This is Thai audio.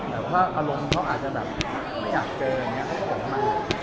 แต่ว่าอารมณ์เขาอาจจะแบบไม่อยากเจออย่างนี้ให้ผมมา